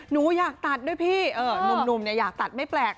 หนูอยากตัดด้วยพี่หนุ่มอยากตัดไม่แปลก